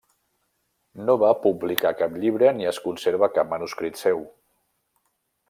No va publicar cap llibre ni es conserva cap manuscrit seu.